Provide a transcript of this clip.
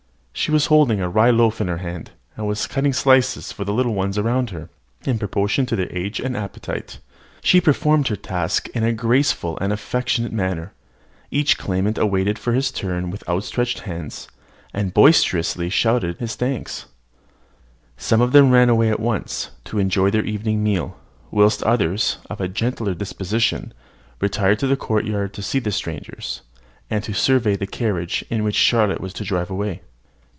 She was holding a rye loaf in her hand, and was cutting slices for the little ones all around, in proportion to their age and appetite. She performed her task in a graceful and affectionate manner; each claimant awaiting his turn with outstretched hands, and boisterously shouting his thanks. Some of them ran away at once, to enjoy their evening meal; whilst others, of a gentler disposition, retired to the courtyard to see the strangers, and to survey the carriage in which their Charlotte was to drive away.